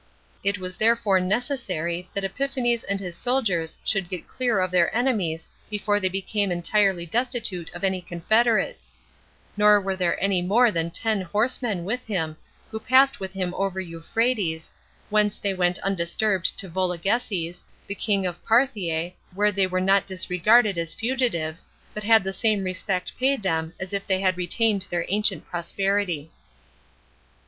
It was therefore necessary that Epiphanes and his soldiers should get clear of their enemies before they became entirely destitute of any confederates; nor were there any more than ten horsemen with him, who passed with him over Euphrates, whence they went undisturbed to Vologeses, the king of Parthia, where they were not disregarded as fugitives, but had the same respect paid them as if they had retained their ancient prosperity.